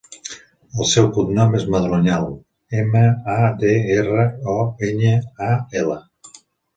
El seu cognom és Madroñal: ema, a, de, erra, o, enya, a, ela.